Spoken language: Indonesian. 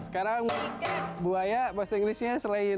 sekarang buaya bahasa inggrisnya selain